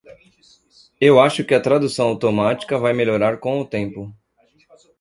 Eu acho que a tradução automática vai melhorar com o tempo.